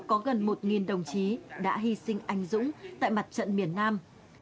thời kỳ kháng chiến chống mỹ cứu nước trong đó có gần một đồng chí đã hy sinh anh dũng tại mặt trận miền nam